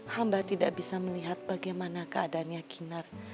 hamba tidak bisa melihat bagaimana keadaannya kinar